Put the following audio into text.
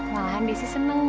nah desi senang